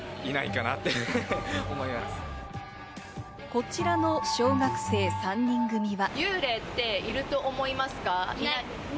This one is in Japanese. こちらの小学生３人組は。